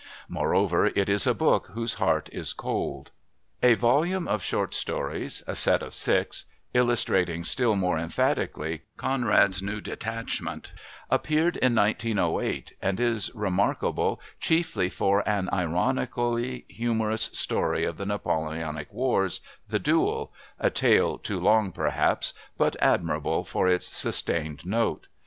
Moreover, it is a book whose heart is cold. A volume of short stories, A Set of Six, illustrating still more emphatically Conrad's new detachment, appeared in 1908 and is remarkable chiefly for an ironically humorous story of the Napoleonic wars The Duel a tale too long, perhaps, but admirable for its sustained note.